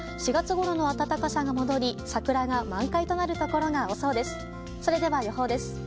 ４月ごろの暖かさが戻り桜が満開となるところが多そうです。